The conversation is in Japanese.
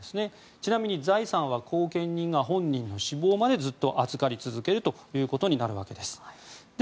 ちなみに財産は後見人が本人の死亡までずっと預かり続けるということになるわけです。